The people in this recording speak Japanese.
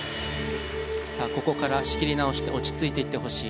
さあここから仕切り直して落ち着いていってほしい。